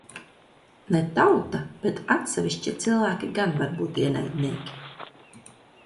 Ne tauta, bet atsevišķi cilvēki gan var būt ienaidnieki.